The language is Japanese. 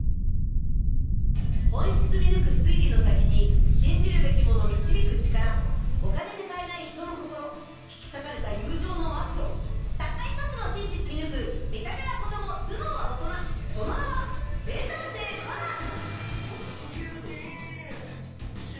本質見抜く推理の先に信じるべきもの導く力お金で買えない人の心引き裂かれた友情の末路たった１つの真実見抜く見た目は子供頭脳は大人その名は名探偵コナン！